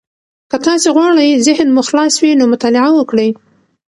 که تاسي غواړئ ذهن مو خلاص وي، نو مطالعه وکړئ.